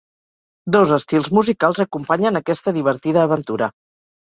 Dos estils musicals acompanyen aquesta divertida aventura.